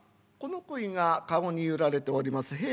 この声が駕籠に揺られております